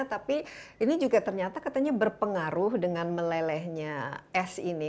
tapi ini juga ternyata katanya berpengaruh dengan melelehnya es ini